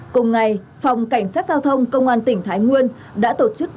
cùng ngày phòng cảnh sát giao thông công an tỉnh thái nguyên đã tổ chức